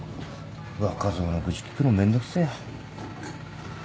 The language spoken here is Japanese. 若造の愚痴聞くのめんどくせえや。